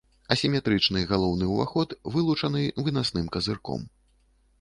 Асіметрычны галоўны ўваход вылучаны вынасным казырком.